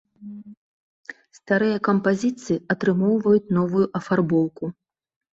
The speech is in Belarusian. Старыя кампазіцыі атрымоўваюць новую афарбоўку.